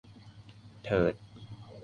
เถิด